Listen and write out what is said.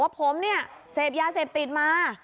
ผมเนี่ยเสพยาเสพติดมา